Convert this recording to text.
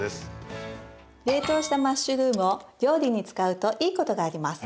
冷凍したマッシュルームを料理に使うといいことがあります。